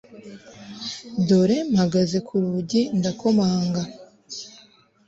dore mpagaze kurugi ndakomanga